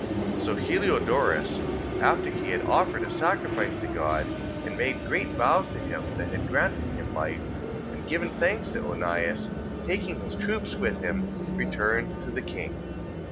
3:35. So Heliodorus, after he had offered a sacrifice to God, and made great vows to him, that had granted him life, and given thanks to Onias, taking his troops with him, returned to the king.